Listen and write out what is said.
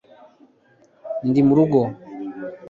ndi murugo